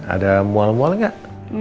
ada mual mual gak